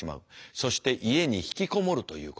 そして家に引きこもるということになる。